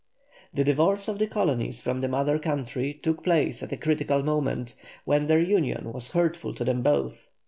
The divorce of the colonies from the mother country took place at a critical moment, when their union was hurtful to them both.